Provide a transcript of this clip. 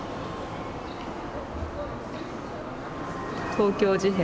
東京事変